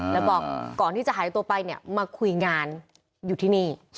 แล้วบอกก่อนที่จะหายตัวไปเนี่ยมาคุยงานอยู่ที่นี่